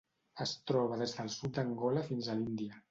Es troba des del sud d'Angola fins a l'Índia.